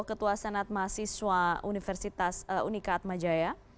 ketua senat mahasiswa universitas unika atma jaya